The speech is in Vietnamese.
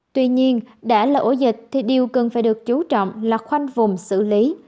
tuy nhiên đã là ổ dịch thì điều cần phải được chú trọng là khoanh vùng xử lý